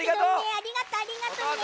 ありがとうありがとうね。